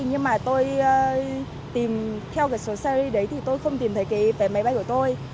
nhưng mà tôi tìm theo số series đấy thì tôi không tìm thấy vé máy bay của tôi